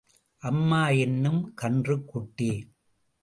அம்மா என்னும் கன்றுக் குட்டி.